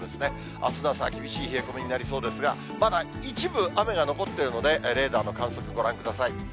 あすの朝は厳しい冷え込みになりそうですが、まだ一部、雨が残っているので、レーダーの観測、ご覧ください。